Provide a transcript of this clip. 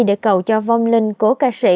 để cầu cho vong linh cổ ca sĩ